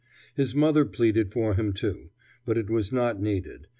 His mother pleaded for him too, but it was not needed.